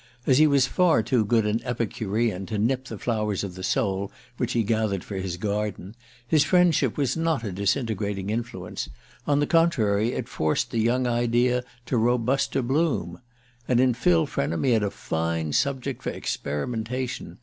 As he was far too good an Epicurean to nip the flowers of soul which he gathered for his garden, his friendship was not a disintegrating influence: on the contrary, it forced the young idea to robuster bloom. And in Phil Frenham he had a fine subject for experimentation.